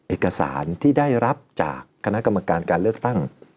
เอกสารที่ได้รับจากคณะกรรมการการเลือกตั้ง